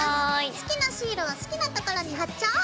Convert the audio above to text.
好きなシールを好きなところに貼っちゃおう！